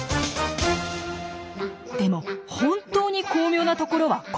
でも本当に巧妙なところはここから。